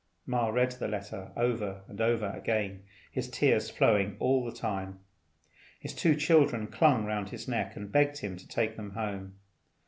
Ma read the letter over and over again, his tears flowing all the time. His two children clung round his neck, and begged him to take them home.